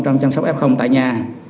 trong chăm sóc f tại nhà